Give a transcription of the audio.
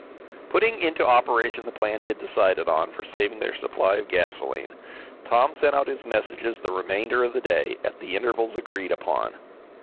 Putting into operation the plan he had decided on for saving their supply of gasolene, Tom sent out his messages the remainder of the day, at the intervals agreed upon.